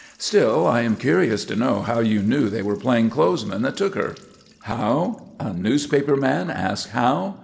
"Still I am curious to know how you knew they were plain clothes men that took her?" "How? A newspaper man ask how?